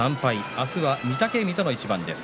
明日は御嶽海との一番です。